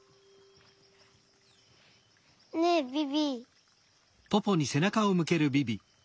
ねえビビ。